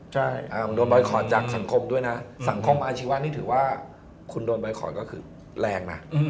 ใช่โดนบอยคอร์ดจากสังคมด้วยนะสังคมอาชีวะนี่ถือว่าคุณโดนบอยคอร์ดก็คือแรงนะ